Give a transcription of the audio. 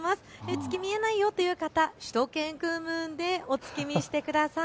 月、見えないよという方、しゅと犬くんムーンでお月見してください。